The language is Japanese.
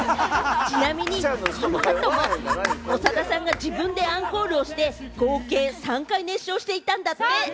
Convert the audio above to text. ちなみにこの後も長田さんが自分でアンコールして、合計３回熱唱したんですって。